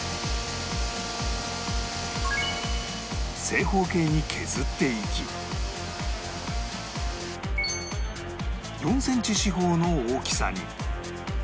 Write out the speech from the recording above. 正方形に削っていき４センチ四方の大きさに